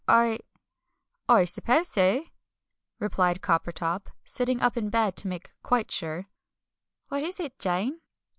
"I I suppose so," replied Coppertop, sitting up in bed to make quite sure. "What is it, Jane?"